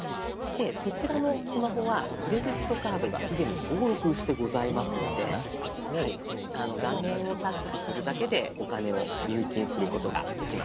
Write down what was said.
でそちらのスマホはクレジットカードが既に登録してございますので画面をタッチするだけでお金を入金することができます。